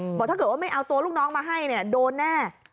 บอกว่าถ้าเกิดไม่เอาตัวลูกน้องมาให้โดนแน่